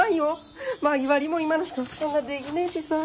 薪割りも今の人そんなでぎねえしさあ。